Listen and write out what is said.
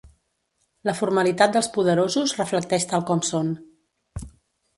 La formalitat dels poderosos reflecteix tal com són.